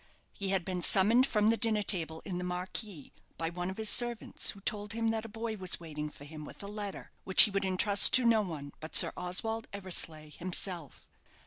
He had been summoned from the dinner table in the marquee by one of his servants, who told him that a boy was waiting for him with a letter, which he would entrust to no one but Sir Oswald Eversleigh himself.